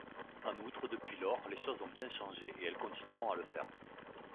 En outre, depuis lors, les choses ont bien changé, et elles continueront à le faire.